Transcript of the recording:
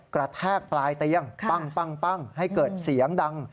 แทกปลายเตียงปั้งให้เกิดเสียงดัง